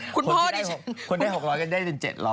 คนที่ได้๖๐๐ก็ได้ถึง๗๐๐